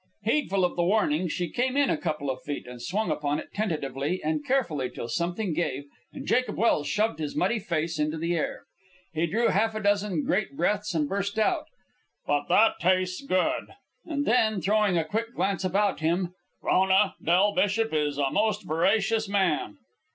Heedful of the warning, she came in a couple of feet and swung upon it tentatively and carefully till something gave and Jacob Welse shoved his muddy face into the air. He drew half a dozen great breaths, and burst out, "But that tastes good!" And then, throwing a quick glance about him, Frona, Del Bishop is a most veracious man."